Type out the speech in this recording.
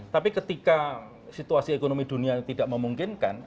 tapi ketika situasi ekonomi dunia tidak memungkinkan